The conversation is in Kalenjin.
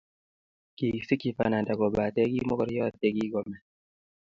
Kikisikchi pananda kobate ki mokoryot ye kingomee